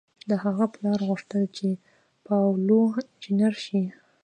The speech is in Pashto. د هغه پلار غوښتل چې پاولو انجنیر شي.